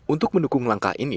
untuk mendukung langkah ini